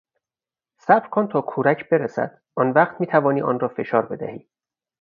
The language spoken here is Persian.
صبر کن تا کورک برسد، آنوقت میتوانی آن را فشار بدهی.